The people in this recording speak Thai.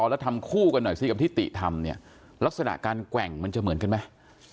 แล้วทำคู่กันหน่อยสิกับที่ติทำเนี่ยลักษณะการแกว่งมันจะเหมือนกันไหม